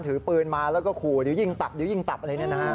ถือปืนมาแล้วก็ขู่หรือยิงตับหรือยิงตับอะไรแน่นะฮะ